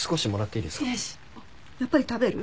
あっやっぱり食べる？